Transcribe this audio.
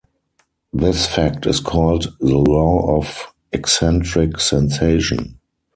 This fact is called the law of eccentric sensation.